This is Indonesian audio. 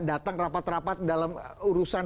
datang rapat rapat dalam urusan